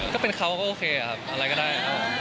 ก็เป็นเขาก็โอเคครับอะไรก็ได้ครับ